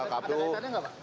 ada kaitannya enggak pak